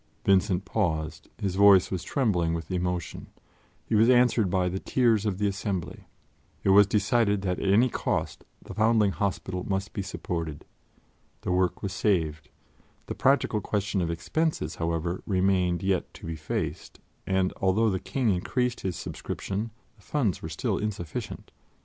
Vincent paused; his voice was trembling with emotion; he was answered by the tears of the assembly. It was decided that at any cost the Foundling Hospital must be supported. The work was saved. The practical question of expenses, however, remained yet to be faced, and although the King increased his subscription, the funds were still insufficient.